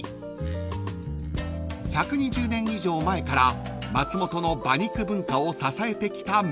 ［１２０年以上前から松本の馬肉文化を支えてきた名店です］